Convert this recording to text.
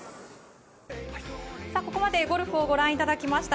ここまでゴルフをご覧いただきました。